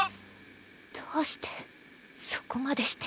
どうしてそこまでして。